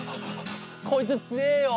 こいつつえよ。